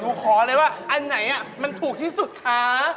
ขอเลยว่าอันไหนมันถูกที่สุดคะ